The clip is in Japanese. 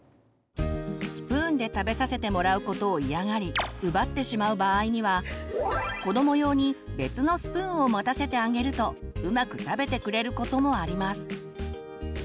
スプーンで食べさせてもらうことを嫌がり奪ってしまう場合には子ども用に別のスプーンを持たせてあげるとうまく食べてくれることもあります。